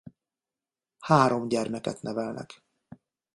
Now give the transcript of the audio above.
Három gyermeket nevelnek.